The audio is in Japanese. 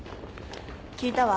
聞いたわ。